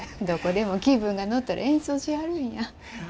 どこでも気分が乗ったら演奏しはるんや。